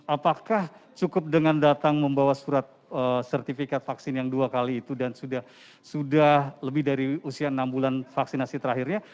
apakah cukup dengan datang membawa surat sertifikat vaksin yang dua kali itu dan sudah lebih dari usia enam bulan vaksinasi terakhirnya